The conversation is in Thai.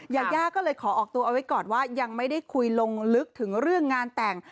ยาย่าก็เลยขอออกตัวเอาไว้ก่อนว่ายังไม่ได้คุยลงลึกถึงเรื่องงานแต่ง